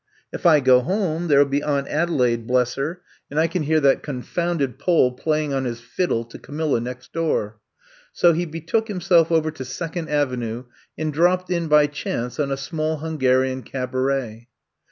If I go home, there '11 be Aunt Adelaide, bless her, and I can hear that confounded Pole playing on his fiddle to Camilla next door/' So he betook himself over to Second Avenue and dropped in by chance on a small Hungarian cabaret.